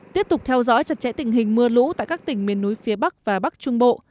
tiếp tục theo dõi chặt chẽ tình hình mưa lũ tại các tỉnh miền núi phía bắc và bắc trung bộ